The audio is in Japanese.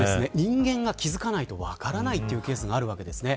人間が気付かないと分からないケースがあるわけです。